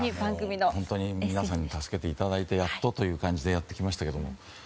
皆さんに助けていただいてやっとという感じでやってきましたけども。